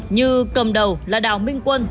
như cầm đầu là đào minh quân